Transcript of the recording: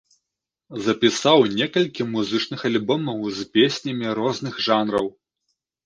Запісаў некалькі музычных альбомаў з песнямі розных жанраў.